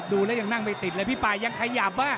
ดูแล้วยังนั่งไม่ติดเลยพี่ป่ายังขยับมาก